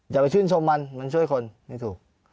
อย่าไปชื่นชมมันมันช่วยคนไม่ถูก